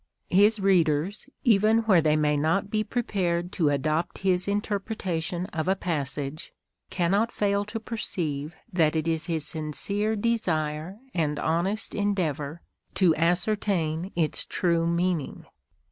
His readers, even where they may not be prepared to adopt his interpretation of a passage, cannot fail to perceive that it is his sincere desire and honest endeavour to ascertain its true meaning.